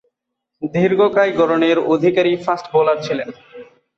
দীর্ঘকায় গড়নের অধিকারী fast bowler ছিলেন।